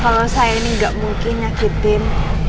kalau saya ini nggak mungkin nyakitin